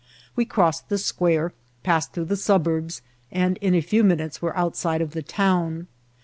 We crossed the square, passed through the suburbs, and in a few minutes were outside of the town.